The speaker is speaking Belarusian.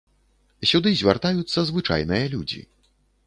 Сюды звяртаюцца звычайныя людзі.